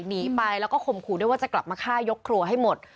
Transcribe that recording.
หนีไปแล้วก็ข่มขู่ด้วยว่าจะกลับมาฆ่ายกครัวให้หมด